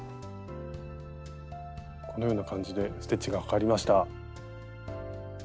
このような感じでステッチがかかりました。